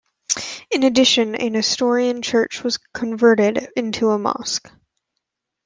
In addition, a Nestorian church was converted into a mosque.